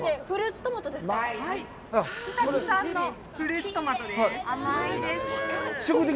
フルーツトマトですか。